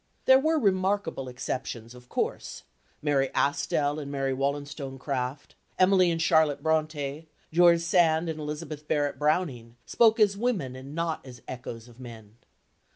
There were remarkable exceptions, of course: Mary Astell and Mary Wollstonecraft, Emily and Charlotte Brontë, George Sand and Elizabeth Barrett Browning spoke as women and not as echoes of men.